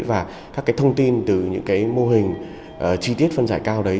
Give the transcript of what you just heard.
và các thông tin từ những mô hình chi tiết phân giải cao đấy